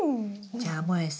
じゃあもえさん